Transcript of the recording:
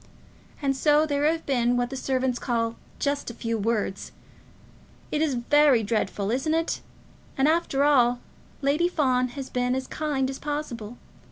And so there have been what the servants call 'just a few words.' It is very dreadful, isn't it? And, after all, Lady Fawn has been as kind as possible.